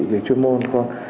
về chuyên môn